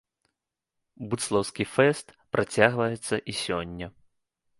Будслаўскі фэст працягваецца і сёння.